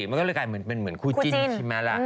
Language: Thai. มันก็เลยกลายเป็นเหมือนคู่จิ้นใช่ไหมล่ะ